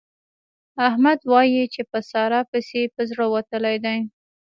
احمد وايي چې په سارا پسې مې زړه وتلی دی.